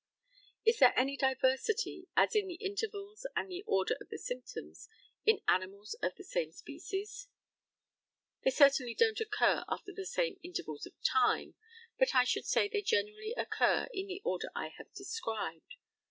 Is there any diversity, as in the intervals and the order of the symptoms, in animals of the same species? They certainly don't occur after the same intervals of time, but I should say they generally occur in the order I have described.